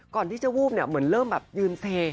ก่อนที่จะวูบเนี่ยเหมือนเริ่มแบบยืนเซ